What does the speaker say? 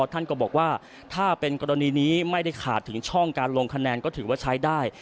ท่านก็บอกว่าถ้าเป็นกรณีนี้ไม่ได้ขาดถึงช่องการลงคะแนนก็ถือว่าใช้ได้